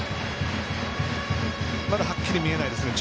まだ、はっきり見えないですね。